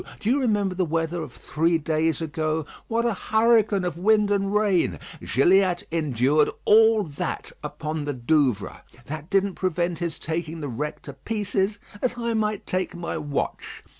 Do you remember the weather of three days ago? What a hurricane of wind and rain! Gilliatt endured all that upon the Douvres. That didn't prevent his taking the wreck to pieces, as I might take my watch.